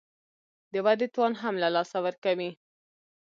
د ودې توان هم له لاسه ورکوي